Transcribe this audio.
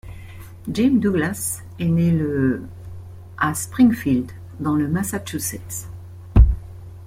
Jim Douglas est né le à Springfield dans le Massachusetts.